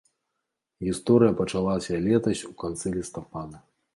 Гісторыя пачалася летась у канцы лістапада.